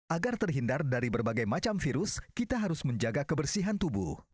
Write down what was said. agar terhindar dari berbagai macam virus kita harus menjaga kebersihan tubuh